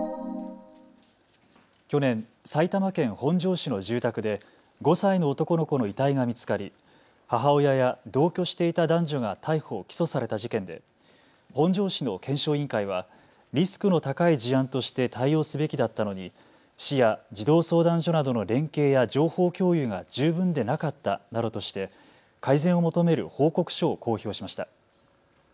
去年、埼玉県本庄市の住宅で５歳の男の子の遺体が見つかり母親や同居していた男女が逮捕・起訴された事件で本庄市の検証委員会はリスクの高い事案として対応すべきだったのに市や児童相談所などの連携や情報共有が十分でなかったなどとして改善を求める報告書を公表しました。